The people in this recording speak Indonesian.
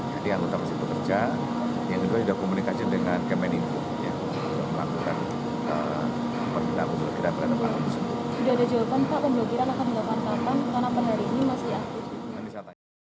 jadi yang pertama kita bekerja yang kedua kita komunikasi dengan kemeninbu untuk melakukan penyelidikan berkaitan dengan web tersebut